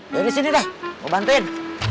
dari sini dah mau bantuin